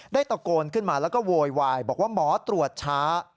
ตะโกนขึ้นมาแล้วก็โวยวายบอกว่าหมอตรวจช้า